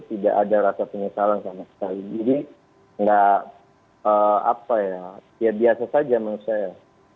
tidak ada rasa penyesalan sama sekali jadi nggak apa ya ya biasa saja menurut saya